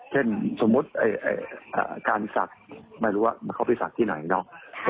เช่นสมมุติการศักดิ์ไม่รู้ว่าเขาไปศักดิ์ที่ไหนเนาะ